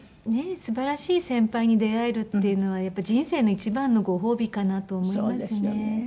すばらしい先輩に出会えるっていうのは人生の一番のご褒美かなと思いますね。